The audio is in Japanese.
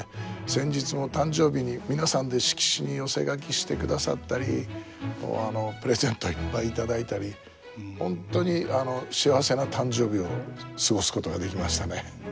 先日も誕生日に皆さんで色紙に寄せ書きしてくださったりプレゼントいっぱい頂いたり本当に幸せな誕生日を過ごすことができましたね。